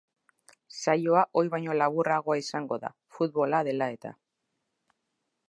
Saioa ohi baino laburragoa izango da, futbola dela eta.